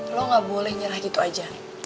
lo gak boleh nyerah gitu aja